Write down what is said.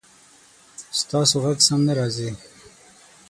ستاسو غږ سم نه راځي